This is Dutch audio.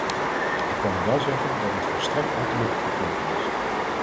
Ik kan u wel zeggen dat dit volstrekt uit de lucht gegrepen is.